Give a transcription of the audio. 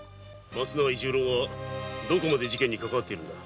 松永伊十郎はどこまで事件に関係あるのだ。